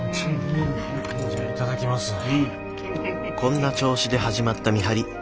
こんな調子で始まった見張り。